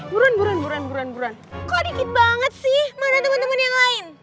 buruan buruan buruan buruan buruan kok dikit banget sih mana temen temen yang lain ada di